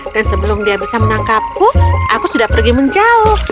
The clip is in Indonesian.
dan sebelum dia bisa menangkapku aku sudah pergi menjauh